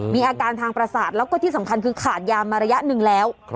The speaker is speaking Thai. มีอาการทางประสาทแล้วก็ที่สำคัญคือขาดยามาระยะหนึ่งแล้ว